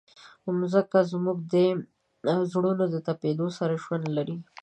مځکه زموږ د زړونو د تپېدو سره ژوند لري.